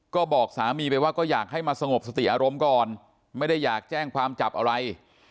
ก็บอกสามีไปว่าก็อยากให้มาสงบสติอารมณ์ก่อนไม่ได้อยากแจ้งความจับอะไร